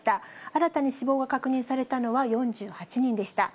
新たに死亡が確認されたのは４８人でした。